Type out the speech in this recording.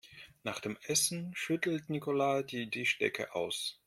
Nach dem Essen schüttelt Nicola die Tischdecke aus.